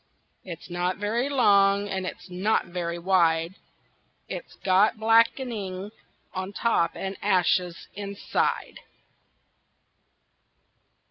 It's not very long and it's not very wide; It's got black'ning on top and ashes inside.